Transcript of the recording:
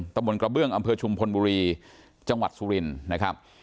ตะบนกระเบื้องอำเภอชุมพลบุรีจังหวัดสุรินนะครับ